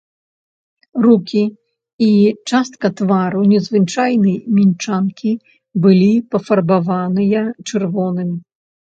Рукі і частка твару незвычайнай мінчанкі былі пафарбаваныя чырвоным.